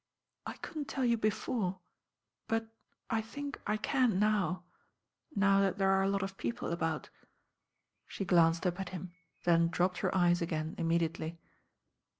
"I couldn't tcU you before; but I think I can now— now that there are a lot of people about." She glanced up at him, then dropped her eyes again immediately.